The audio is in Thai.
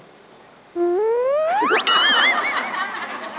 อื้อ